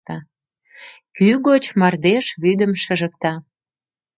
Кӱ гоч мардеж вӱдым шыжыкта.